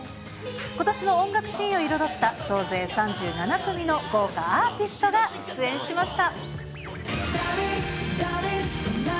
ことしの音楽シーンを彩った総勢３７組の豪華アーティストが出演しました。